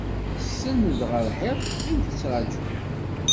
Tsenned ɣer lḥiḍ, teqqim tettraǧu.